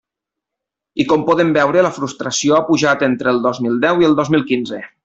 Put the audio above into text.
I com podem veure, la frustració ha pujat entre el dos mil deu i el dos mil quinze.